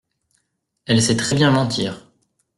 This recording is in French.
Elle sait très bien mentir.